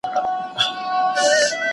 ¬ زوى ئې غوښت، خېر ئې نه غوښت.